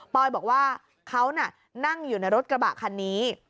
อยบอกว่าเขาน่ะนั่งอยู่ในรถกระบะคันนี้